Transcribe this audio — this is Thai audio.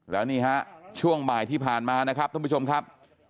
แล้วนี่ฮะช่วงบ่ายที่ผ่านมานะครับท่านผู้ชมครับ